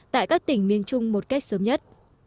tại các tỉnh miền trung một cách sớm nhất